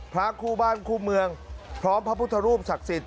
พระคู่บ้านคู่เมืองพร้อมพระพุทธรูปศักดิ์สิทธิ